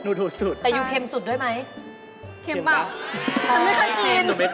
หนูถูกสุดครับครับแต่หิวเข็มสุดด้วยไหม